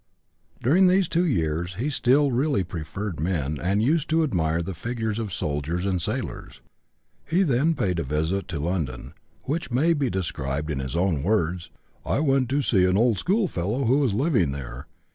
During these two years he still really preferred men and used to admire the figures of soldiers and sailors. He then paid a visit to London, which may be described in his own words: "I went to see an old schoolfellow who was living there.